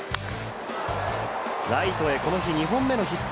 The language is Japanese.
ライトへこの日２本目のヒット。